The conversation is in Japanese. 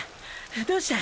どうした？